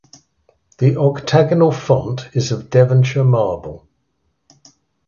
The octagonal font is of Devonshire marble.